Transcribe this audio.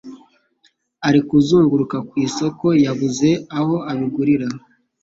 Arikuzunguruka ku isoko yabuze aho abigurira